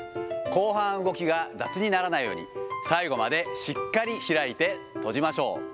後半、動きが雑にならないように、最後までしっかり開いて閉じましょう。